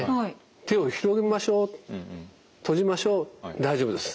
手を広げましょう閉じましょう大丈夫です。